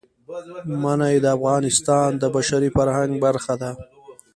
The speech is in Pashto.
منی د افغانستان د بشري فرهنګ برخه ده.